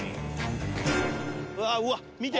うわぁわっ見て。